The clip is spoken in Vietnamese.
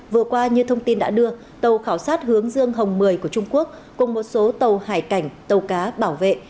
vừa qua như thông tin đã đưa tàu khảo sát hướng dương hồng mười của trung quốc cùng một số tàu hải cảnh tàu cá bảo vệ